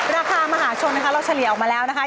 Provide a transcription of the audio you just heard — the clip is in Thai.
มหาชนนะคะเราเฉลี่ยออกมาแล้วนะคะ